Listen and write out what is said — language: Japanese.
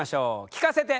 聞かせて！